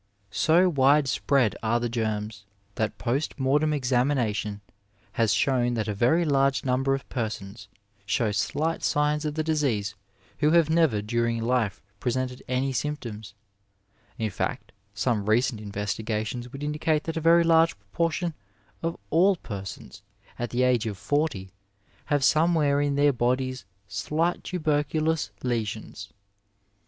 So widespread are the germs that post mortem examination has shown that a very large number of persons show slight signs of the disease who have never during life presented any symptoms; in fact, some recent investigations would indicate that a very large proportion of all persons at the ago of forty have somewhere in their bodies slight tuberculous lesions.